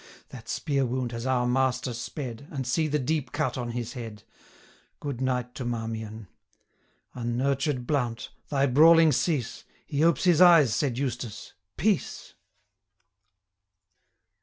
That spear wound has our master sped, And see the deep cut on his head! Good night to Marmion.' 'Unnurtured Blount! thy brawling cease: 870 He opes his eyes,' said Eustace; 'peace!'